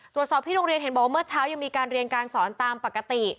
ที่โรงเรียนเห็นบอกว่าเมื่อเช้ายังมีการเรียนการสอนตามปกติ